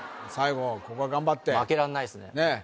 最後ここは頑張って負けらんないですね